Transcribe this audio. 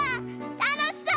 たのしそう！